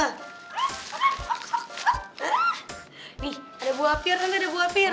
nih ada buah fir tante ada buah fir